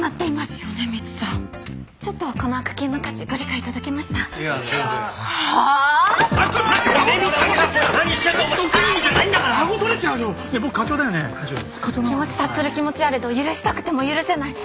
「お気持ち察する気持ちはあれど許したくても許せない！」。